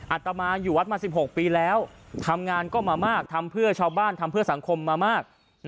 อตมาอยู่วัดมา๑๖ปีแล้วทำงานก็มามากทำเพื่อชาวบ้านทำเพื่อสังคมมามาก